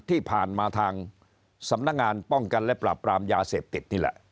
ที่ผ่านมาทางสำนักงานป้องกันและปราบปรามยาเสพติดนี่แหละ